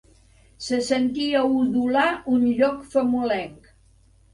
Se sentia udolar un llop famolenc.